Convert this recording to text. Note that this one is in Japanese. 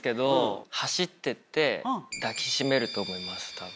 多分。